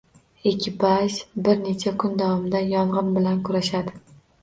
Ekipaj bir necha kun davomida yongʻin bilan kurashadi.